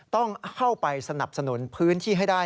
ต้องเข้าไปสนับสนุนพื้นที่ให้ได้